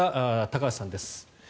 高橋さんです。